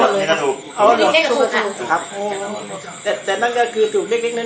แต่นั่นเลยคือถูกเล็กน้อย